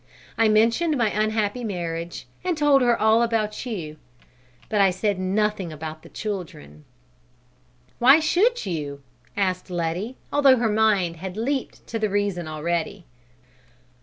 I mentioned my unhappy marriage and told her all about you, but I said nothing about the children." "Why should you?" asked Letty, although her mind had leaped to the reason already.